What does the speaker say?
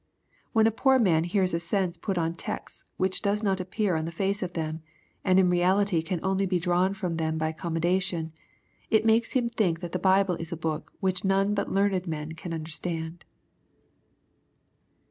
When a poor man hears a sense put on texts which does not appear on the face of them, and in reality can only be drawn from them by accommodation, it makes him think that the Bible is a book which none but learned people can understand.